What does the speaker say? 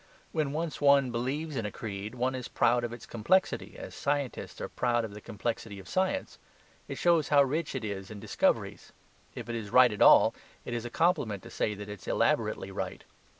When once one believes in a creed, one is proud of its complexity, as scientists are proud of the complexity of science. It shows how rich it is in discoveries. If it is right at all, it is a compliment to say that it's elaborately right.